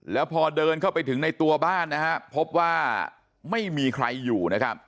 แล้วพอเดินเข้าไปถึงในตัวบ้านพบว่าไม่มีใครอยู่